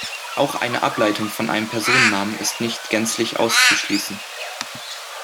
Auch eine Ableitung von einem Personennamen ist nicht gänzlich auszuschließen.